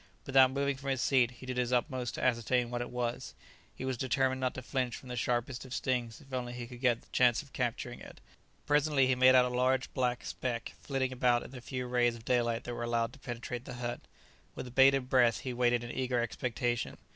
Without moving from his seat he did his utmost to ascertain what it was; he was determined not to flinch from the sharpest of stings if only he could get the chance of capturing it. Presently he made out a large black speck flitting about in the few rays of daylight that were allowed to penetrate the hut. With bated breath he waited in eager expectation.